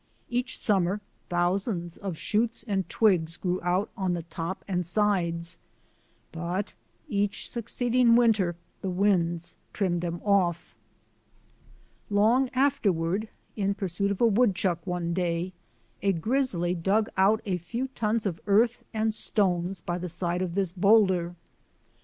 Each summer thousands of shoots and twigs grew out on the top and sides, but each succeeding winter the winds trimmed them off. Long afterward, in pursuit of a woodchuck one day, a grizzly dug out a few tons of earth and stones by the side of this boulder.